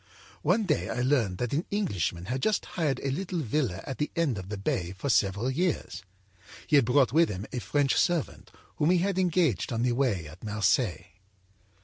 âOne day I learned that an Englishman had just hired a little villa at the end of the bay for several years. He had brought with him a French servant, whom he had engaged on the way at Marseilles.